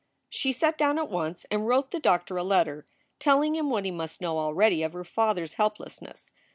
She sat down at once and wrote the doctor a letter, telling him what he must know already of her father s helplessness.